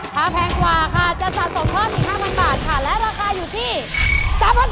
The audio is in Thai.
ถ้าแพงกว่าค่ะจะสะสมเพิ่มอีก๕๐๐บาทค่ะและราคาอยู่ที่๓๐๐บาท